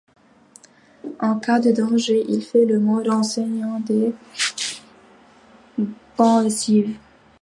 En cas de danger il fait le mort en saignant des gencives.